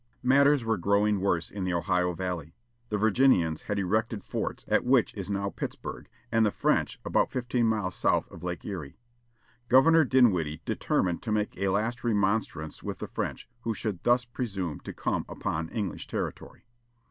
Matters were growing worse in the Ohio valley. The Virginians had erected forts at what is now Pittsburg; and the French, about fifteen miles south of Lake Erie. Governor Dinwiddie determined to make a last remonstrance with the French who should thus presume to come upon English territory.